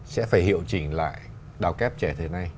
để hiệu chỉnh lại đào kép trẻ thế này